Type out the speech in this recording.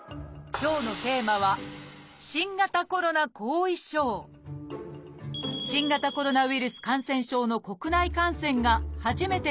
今日のテーマは新型コロナウイルス感染症の国内感染が初めて確認されてから３年。